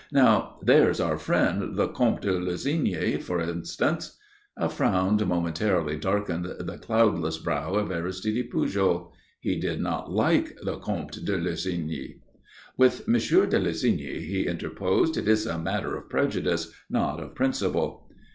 Now, there's our friend, the Comte de Lussigny, for instance " A frown momentarily darkened the cloudless brow of Aristide Pujol. He did not like the Comte de Lussigny "With Monsieur de Lussigny," he interposed, "it is a matter of prejudice, not of principle."